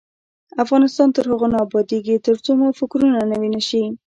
افغانستان تر هغو نه ابادیږي، ترڅو مو فکرونه نوي نشي.